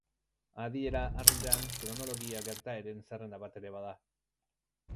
Adiera arruntean, kronologia gertaeren zerrenda bat ere bada.